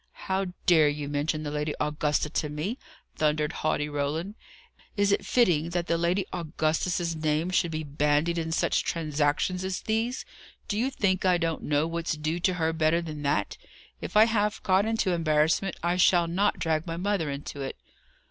"How dare you mention the Lady Augusta to me?" thundered haughty Roland. "Is it fitting that the Lady Augusta's name should be bandied in such transactions as these? Do you think I don't know what's due to her better than that? If I have got into embarrassment, I shall not drag my mother into it."